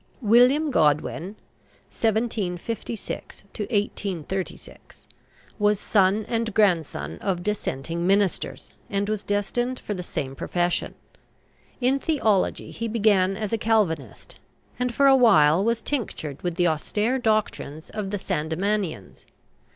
WILLIAM GODWIN (1756 1836) was son and grandson of Dissenting ministers, and was destined for the same profession. In theology he began as a Calvinist, and for a while was tinctured with the austere doctrines of the Sandemanians.